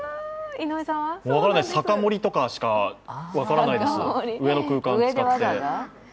分からない、酒盛りくらいしか分からないです、上の空間使って。